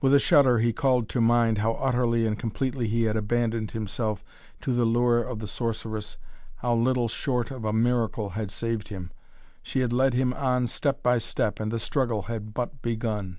With a shudder he called to mind, how utterly and completely he had abandoned himself to the lure of the sorceress, how little short of a miracle had saved him. She had led him on step by step, and the struggle had but begun.